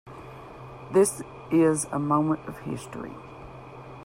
This is a moment of history.